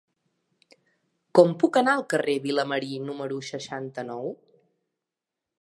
Com puc anar al carrer de Vilamarí número seixanta-nou?